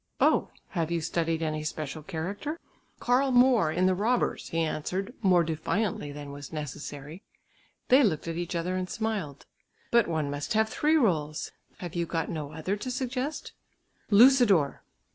"Oh! have you studied any special character?" "Karl Moor in 'The Robbers,'" he answered more defiantly than was necessary. They looked at each other and smiled. "But one must have three rôles; have you got no other to suggest?" "Lucidor!"